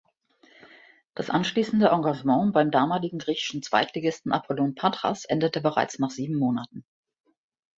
Das anschließende Engagement beim damaligen griechischen Zweitligisten Apollon Patras endete bereits nach sieben Monaten.